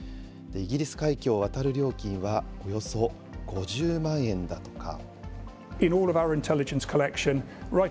イギリス海峡を渡る料金はおよそ５０万円だとか。